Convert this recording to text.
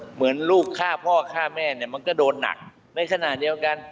เหมือนลูกฆ่าพ่อฆ่าแม่เนี่ยมันก็โดนหนักในขณะเดียวกัน